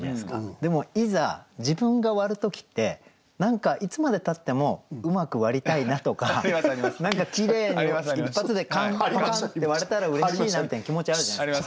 でもいざ自分が割る時って何かいつまでたってもうまく割りたいなとか何かきれいに一発でカンパカンって割れたらうれしいなみたいな気持ちあるじゃないですか。